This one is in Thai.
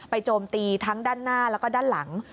โจมตีทั้งด้านหน้าแล้วก็ด้านหลัง